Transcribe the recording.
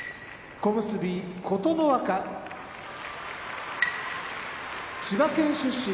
小結・琴ノ若千葉県出身